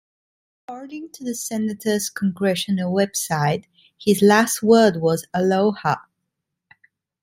According to the senator's Congressional web site, his last word was "Aloha".